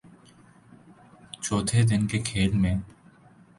چوتھے دن کے کھیل میں